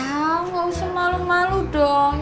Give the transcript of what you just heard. oh nggak usah malu malu dong